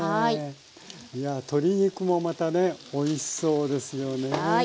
鶏肉もまたねおいしそうですよね。